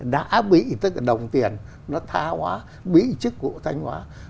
đã bị tất cả đồng tiền nó tha hóa bị chức vụ thanh hóa